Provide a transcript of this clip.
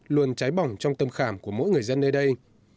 luôn cháy bỏng trong tâm khảm của mỗi người dân nơi đây